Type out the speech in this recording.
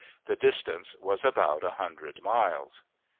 The distance was about a hundred miles.